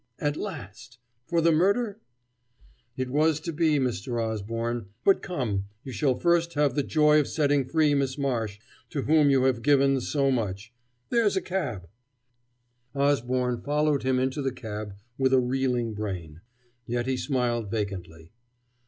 At last! For the murder?" "It was to be, Mr. Osborne. But, come, you shall first have the joy of setting free Miss Marsh, to whom you have given so much there's a cab " Osborne followed him into the cab with a reeling brain. Yet he smiled vacantly.